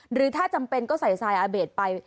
หรือถ้าจำเป็นก็ใส่ทรายอาเบตไป